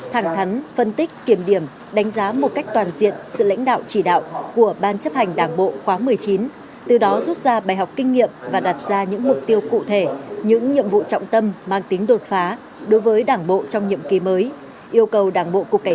thẳng thắn phân tích kiểm điểm đánh giá một cách toàn diện sự lãnh đạo chỉ đạo của ban chấp hành đảng bộ khóa một mươi chín từ đó rút ra bài học kinh nghiệm và đặt ra những mục tiêu cụ thể những nhiệm vụ trọng tâm mang tính đột phá đối với đảng bộ trong nhiệm kỳ mới